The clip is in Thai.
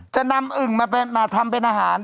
จะนำอึ่งมาทำเป็นอาหาร